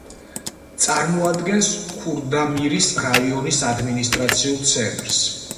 წარმოადგენს ქურდამირის რაიონის ადმინისტრაციულ ცენტრს.